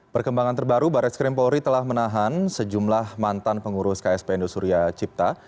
perkembangan terbaru barat skrim polri telah menahan sejumlah mantan pengurus ksp indosuria cipta